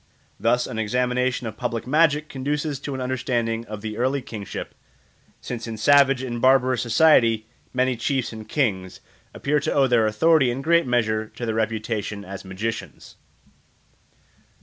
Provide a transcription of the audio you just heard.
Thus an examination of public magic conduces to an understanding of the early kingship, since in savage and barbarous society many chiefs and kings appear to owe their authority in great measure to their reputation as magicians.